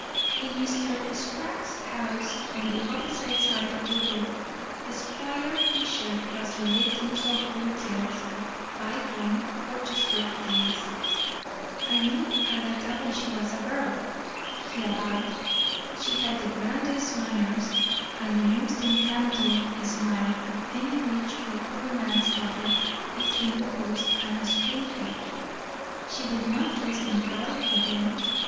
In Mr. Sprague's house on the opposite side of the road, Squire Fisher was relating some old tales of bygone Portchester days. "I knew Agatha when she was a girl," he avowed. "She had the grandest manners and the most enchanting smile of any rich or poor man's daughter between the coast and Springfield. She did not dress in calico then.